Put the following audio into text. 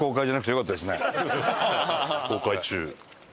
公開中。